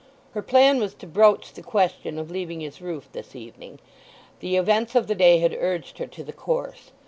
Her plan was to broach the question of leaving his roof this evening; the events of the day had urged her to the course.